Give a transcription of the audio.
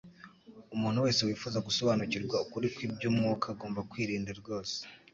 Umuntu wese wifuza gusobanukirwa ukuri kw'iby'umwuka agomba kwirinda rwose,